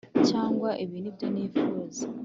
cyangwa ibi nibyo nifuza